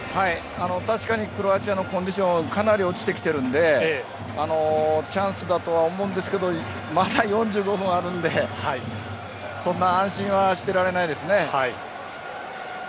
確かにクロアチアのコンディションはかなり落ちてきているのでチャンスだとは思うんですがまだ４５分あるのでそんな安心はしてられないですね。